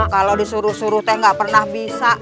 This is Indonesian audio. kalau disuruh suruh teh nggak pernah bisa